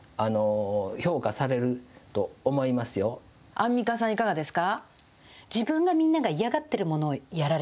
アンミカさん、いかがですか。